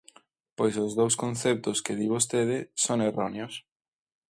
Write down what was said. Pois os dous conceptos que di vostede son erróneos.